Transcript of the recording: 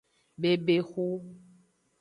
Bebexu.